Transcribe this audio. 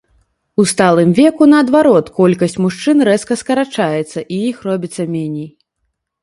У сталым веку наадварот колькасць мужчын рэзка скарачаецца і іх робіцца меней.